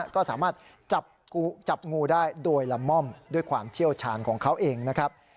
ก็สามารถจับงูได้โดยละม่อมด้วยความเชี่ยวชาญของเขาเองนะครับ